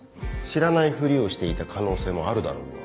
知らないふりをしていた可能性もあるだろうが。